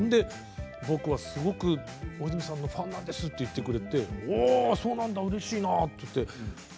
僕はすごく大泉さんのファンなんですと言ってくれてそうなんだ、うれしいなと言って。